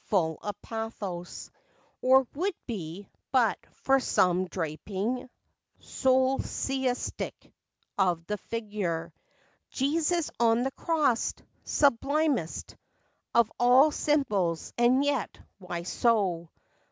full of pathos, Or would be, but for some draping Solecistic, of the figure. Jesus on the cross! sublimest Of all symbols; and yet, why so